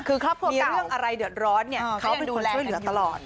มีเรื่องอะไรเดือดร้อนเขาเป็นคนช่วยเหลือตลอด